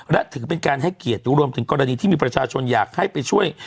และถือเป็นการให้เกียรติรวมถึงกรณีที่มีประชาชนอยากให้ไปช่วย